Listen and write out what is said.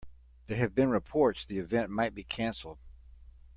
There have been reports the event might be canceled.